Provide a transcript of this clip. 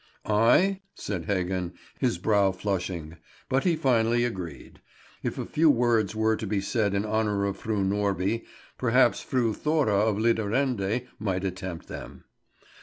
"I?" said Heggen, his brow flushing; but he finally agreed. If a few words were to be said in honour of Fru Norby, perhaps Fru Thora of Lidarende might attempt them.